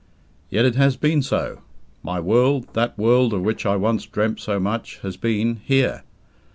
Yet it has been so. My world, that world of which I once dreamt so much, has been here.